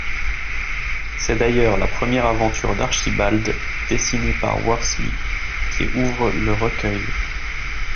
C’est d’ailleurs la première aventure d’Archibald dessinée par Worsley qui ouvre le recueil.